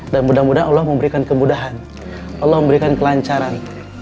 dan mudah mudahan allah memberikan kemudahan allah memberikan kelancaran